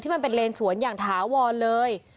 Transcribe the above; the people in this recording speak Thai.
มันเป็นเลนสวนอย่างถาวรเลย